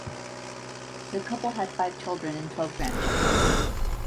The couple had five children and twelve grandchildren.